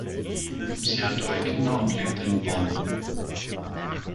Sie hat drei Kinder und lebt in Bonn.